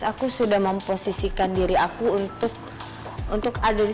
aku sudah memposisikan diri aku untuk adil seperti dia